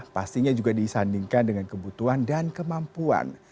pastinya juga disandingkan dengan kebutuhan dan kemampuan